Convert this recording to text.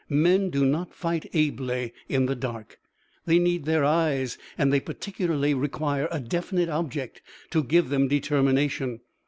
Men do not fight ably in the dark. They need their eyes, and they particularly require a definite object to give them determination.